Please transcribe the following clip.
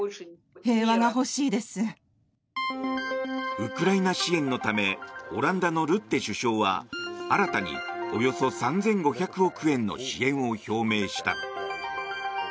ウクライナ支援のためオランダのルッテ首相は新たにおよそ３５００億円の支援を表明した。